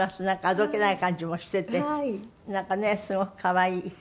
あどけない感じもしていてなんかねすごく可愛い。